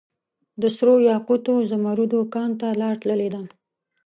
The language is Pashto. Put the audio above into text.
دسرو یاقوتو ، زمردو کان ته لار تللي ده